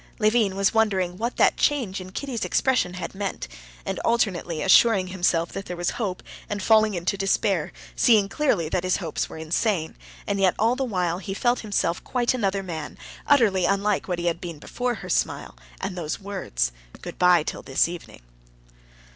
Levin was wondering what that change in Kitty's expression had meant, and alternately assuring himself that there was hope, and falling into despair, seeing clearly that his hopes were insane, and yet all the while he felt himself quite another man, utterly unlike what he had been before her smile and those words, "Good bye till this evening."